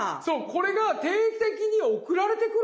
これが定期的に送られてくるんですよ。